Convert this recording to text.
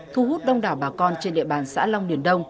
thu hút đông đảo bà con trên địa bàn xã long niền đông